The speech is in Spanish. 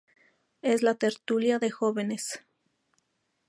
Es la tertulia de jóvenes.